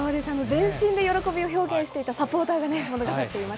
全身で喜びを表現していたサポーターが。